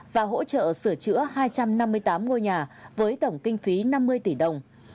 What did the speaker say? và hỗ trợ sửa chữa hai trăm năm mươi tám ngôi nhà với tổng kinh phí năm mươi tỷ đồng